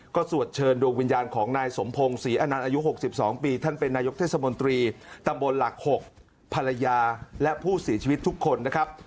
ก็สวดเชิญดวงวิญญาณของนายสมพงศ์ศรีอนันต์อายุ๖๒ปีท่านเป็นนายกเทศมนตรีตำบลหลัก๖ภรรยาและผู้เสียชีวิตทุกคนนะครับ